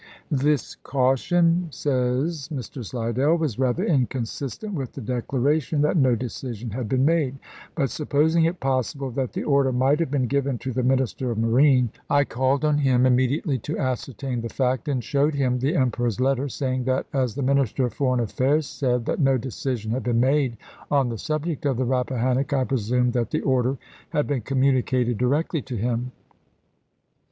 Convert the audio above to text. "This caution," says Mr. Slidell, "was rather inconsistent with the declaration that no decision had been made ; but supposing it possible that the order might have been given to the Minister of Marine, I called on him immediately to ascertain the fact, and showed him the Emperor's letter, saying that as the Minister of Foreign Affairs said that no decision had been made on the subject of the Rappahannock I presumed that the order had been communicated directly to him.